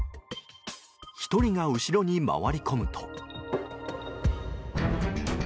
１人が後ろに回り込むと。